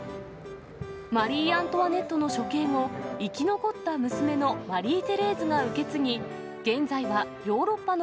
マリー・アントワネットの処刑後、生き残った娘のマリー・テレーズが受け継ぎ、現在はヨーロッパの